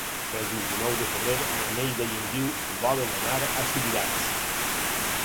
El vint-i-nou de febrer na Neida i en Guiu volen anar a Subirats.